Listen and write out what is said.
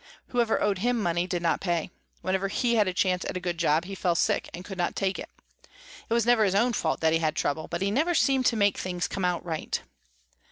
Whoever owed him money did not pay. Whenever he had a chance at a good job he fell sick and could not take it. It was never his own fault that he had trouble, but he never seemed to make things come out right.